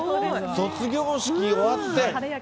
卒業式終わって。